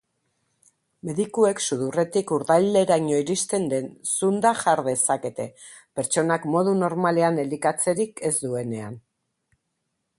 Medikuek sudurretik urdaileraino iristen den zunda jar dezakete, pertsonak modu normalean elikatzerik ez duenean.